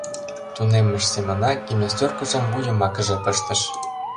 Тунеммыж семынак, гимнастеркыжым вуй йымакыже пыштыш.